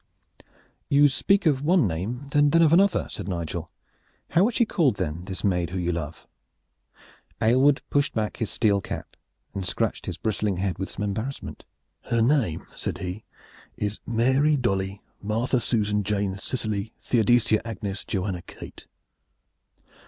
"You speak of one name and then of another," said Nigel. "How is she called then, this maid whom you love?" Aylward pushed back his steel cap and scratched his bristling head with some embarrassment. "Her name," said he, "is Mary Dolly Martha Susan Jane Cicely Theodosia Agnes Johanna Kate."